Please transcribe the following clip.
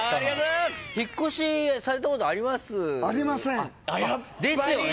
引っ越しされたことあります？ですよね！